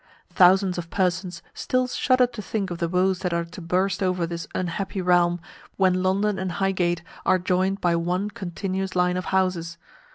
Thousands of persons still shudder to think of the woes that are to burst over this unhappy realm, when London and Highgate are joined by one continuous line of houses.